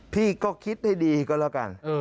พี่ก็คิดให้ดีก็แล้วกัน